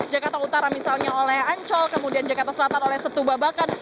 jakarta utara misalnya oleh ancol kemudian jakarta selatan oleh setubabakan